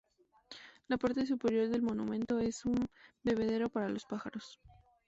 La parte superior del monumento es un bebedero para los pájaros.